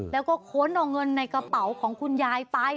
แล้วก็ค้นเอาเงินในกระเป๋าของคุณยายไป